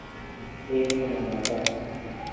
ایک زمانہ تھا